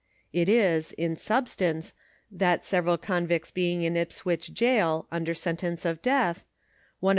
It is, in substance, that several con victs being in Ipswich jail, und^r sentence of death, one of * Select.